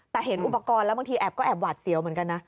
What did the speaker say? แต่เห็นอุปกรณ์แล้วบางทีแอบก็แอบหวาดเสียวเหมือนกันนะ